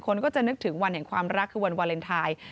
คนก็จะนึกถึงวันแห่งความรักคือวันวาเลนไทย